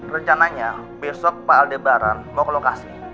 rencananya besok pak aldebaran mau ke lokasi